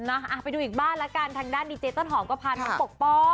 ไปดูอีกบ้านละกันทางด้านดีเจต้นหอมก็พาน้องปกป้อง